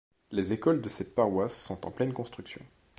Les écoles de cette paroisse sont en pleines construction.